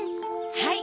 はい。